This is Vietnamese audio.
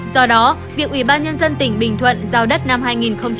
do đó việc ủy ban nhân dân tỉnh bình thuận giao đất năm hai nghìn một mươi chín